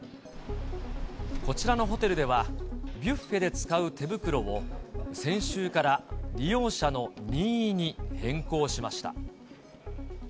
こちらのホテルでは、ビュッフェで使う手袋も、先週から利用者の任意に変更しました。